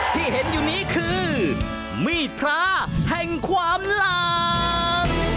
ที่เห็นอยู่นี้คือมีดพระแห่งความหลาม